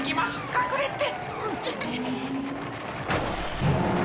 隠れて！